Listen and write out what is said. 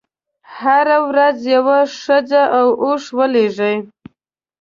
هره ورځ یوه ښځه او اوښ ورلېږي.